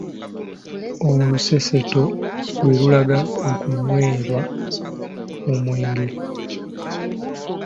Oluseeseeto lwe lulagala okunywerwa omwenge.